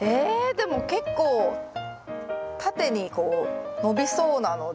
でも結構縦にこう伸びそうなので。